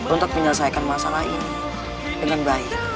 untuk menyelesaikan masalah ini dengan baik